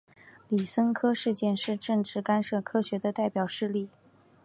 李森科事件是政治干涉科学的代表事例。